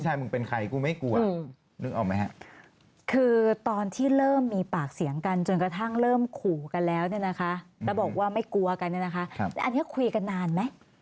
ใช่มึงเป็นใครกูไม่กลัวนึกออกไหมฮะคือตอนที่เริ่มมีปากเสียงกันจนกระทั่งเริ่มขู่กันแล้วเนี่ยนะคะแล้วบอกว่าไม่กลัวกันเนี่ยนะคะอันนี้คุยกันนานไหม